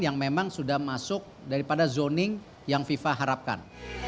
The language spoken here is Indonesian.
yang memang sudah masuk daripada zoning yang fifa harapkan